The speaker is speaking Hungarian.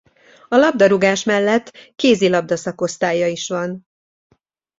A labdarúgás mellett kézilabda szakosztálya is van.